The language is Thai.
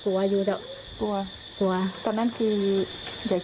ใครพาไปลงครับโบวมใครพาไปลงครับโบวม